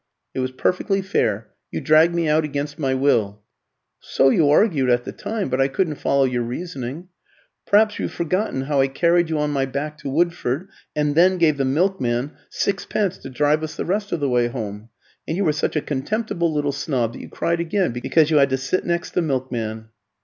"It was perfectly fair; you dragged me out against my will." "So you argued at the time, but I couldn't follow your reasoning. Perhaps you have forgotten how I carried you on my back to Woodford, and then gave the milkman sixpence to drive us the rest of the way home. And you were such a contemptible little snob that you cried again because you had to sit next the milkman."